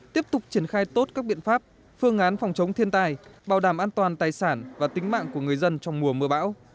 tiếp tục triển khai tốt các biện pháp phương án phòng chống thiên tai bảo đảm an toàn tài sản và tính mạng của người dân trong mùa mưa bão